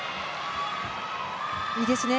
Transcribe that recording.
いいですね。